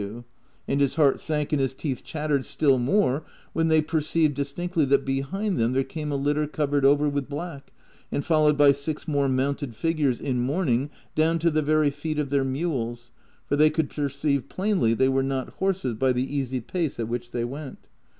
129 cold fit of an ague ; and his heart sank and his teeth chattered' still more when they perceived distinctly that l)ehind thenx there came a litter covered over with black and followed by six more mounted figures in mourning down to the very feet of their mules — for they could perceive plainly they were not horses by the easy pace at which they went.